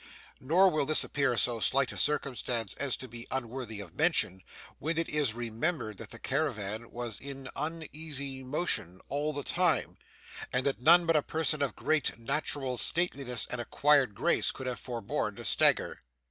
Nor will this appear so slight a circumstance as to be unworthy of mention, when it is remembered that the caravan was in uneasy motion all the time, and that none but a person of great natural stateliness and acquired grace could have forborne to stagger.